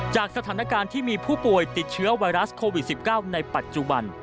จากสถานการณ์ที่มีผู้ป่วยติดเชื้อไวรัสโควิด๑๙ในปัจจุบัน